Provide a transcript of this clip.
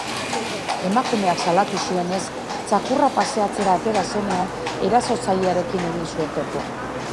Emakumeak salatu zuenez, txakurra paseatzera atera zenean, erasotzailearekin egin zuen topo.